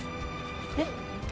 えっ？